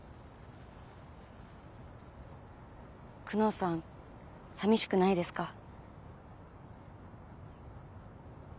久能さんさみしくないですか？